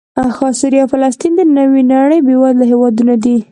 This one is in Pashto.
سوریه او فلسطین د نوې نړۍ بېوزله هېوادونه دي